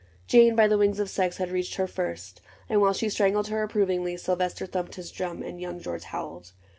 Jane, by the wings of sex, had reached her first ; And while she strangled her, approvingly, Sylvester thumped his drum and Young Geoige howled.